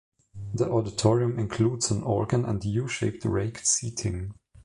The auditorium includes an organ and U-shaped raked seating.